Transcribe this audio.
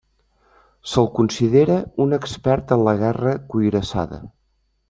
Se'l considera un expert en la guerra cuirassada.